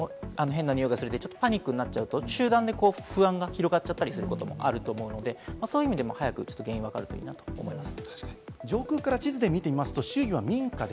原因がわからないと怖いですし、お子さん１人だと怖いとか、変なにおいがするってパニックになっちゃうと、集団で不安が広がっちゃったりすることもあると思うので、そういう意味でも早く原因がわかるといいなと思います。